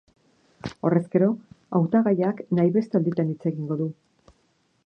Horrezkero, hautagaiak nahi beste alditan hitz egingo du.